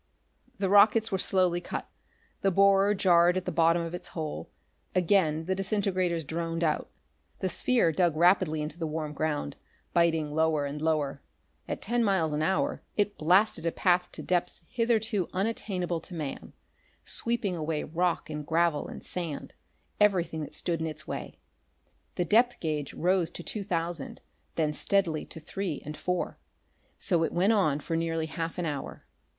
The rockets were slowly cut; the borer jarred at the bottom of its hole; again the disintegrators droned out. The sphere dug rapidly into the warm ground, biting lower and lower. At ten miles an hour it blasted a path to depths hitherto unattainable to man, sweeping away rock and gravel and sand everything that stood in its way. The depth gauge rose to two thousand, then steadily to three and four. So it went on for nearly half an hour.